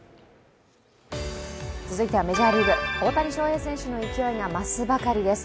続いてはメジャーリーグ大谷翔平選手の勢いが増すばかりです。